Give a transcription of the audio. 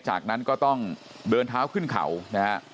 จากนั้นก็ต้องเดินเท้าขึ้นเขานะฮะ